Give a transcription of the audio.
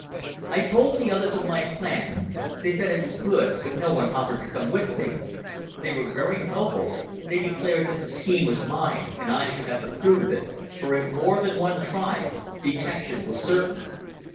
"I told the others of my plan. They said it was good, but no one offered to come with me. They were very noble; they declared that the scheme was mine and I should have the fruit of it, for if more than one tried, detection was certain.